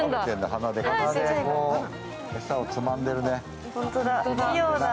鼻で下をつまんでるね。